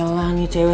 ya elah nih cewek